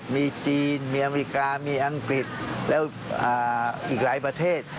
มีจีนมีอเมริกามีอังกฤษแล้วอีกหลายประเทศ